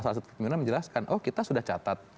salah satu pimpinan menjelaskan oh kita sudah catat